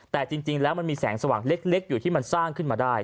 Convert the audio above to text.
แต่จริงแล้วมันมีแสงสว่างเล็กอยู่ที่มันสร้างขึ้นมาได้